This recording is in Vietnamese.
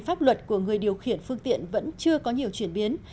pháp luật của người điều khiển phương tiện vẫn chưa có nhiều chuyển biến